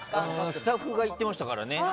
スタッフが言ってましたからね。